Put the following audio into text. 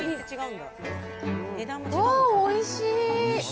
おいしい。